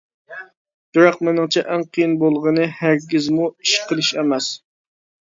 بىراق مېنىڭچە ئەڭ قىيىن بولغىنى ھەرگىزمۇ ئىش قىلىش ئەمەس.